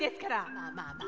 まあまあまあね。